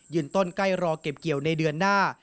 ต้นใกล้รอเก็บเกี่ยวในเดือนหน้า